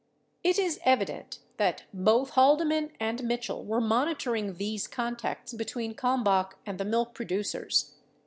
40 It is evident that both Ilaldeman and Mitchell were monitoring these contacts between Kalmbach and the milk producers.